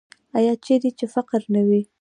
آیا چیرې چې فقر نه وي؟